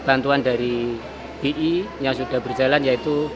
bantuan dari bi yang sudah berjalan yaitu